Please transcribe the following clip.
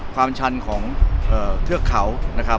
ชันของเทือกเขานะครับ